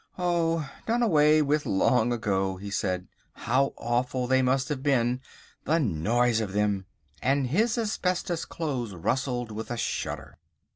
"Oh, done away with long ago," he said; "how awful they must have been. The noise of them!" and his asbestos clothes rustled with a shudder.